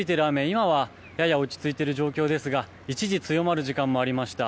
今はやや落ち着いている状況ですが一時強まる時間もありました。